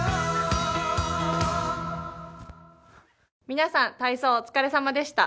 皆さん、体操、お疲れさまでした。